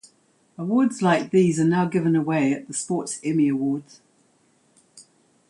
Awards like these are now given away at the Sports Emmy Awards.